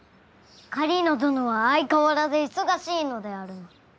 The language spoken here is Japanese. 狩野どのは相変わらず忙しいのであるな。